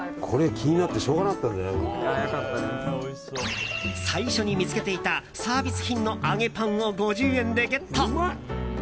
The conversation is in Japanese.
これ、気になって最初に見つけていたサービス品の揚げパンを５０円でゲット。